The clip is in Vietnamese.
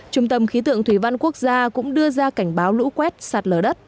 trung tâm khí tượng thủy văn quốc gia cũng đưa ra cảnh báo lũ quét sạt lở đất